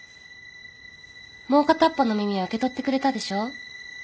もう片っぽの耳は受け取ってくれたでしょ？